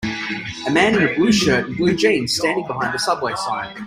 A man in a blue shirt and blue jeans standing behind a Subway sign.